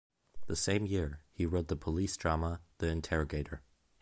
The same year, he wrote the police drama "The Interrogator".